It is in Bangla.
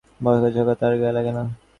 বকাঝকা তার গায়ে লাগে না।